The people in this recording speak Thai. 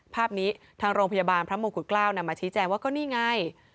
ภาพนี้ทางโรงพยาบาลพระมงกุฎเกล้านำมาชี้แจงว่าก็นี่ไง